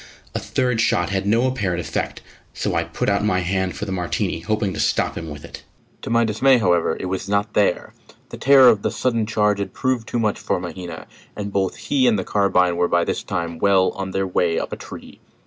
A third shot had no apparent effect, so I put out my hand for the Martini, hoping to stop him with it. To my dismay, however, it was not there. The terror of the sudden charge had proved too much for Mahina, and both he and the carbine were by this time well on their way up a tree.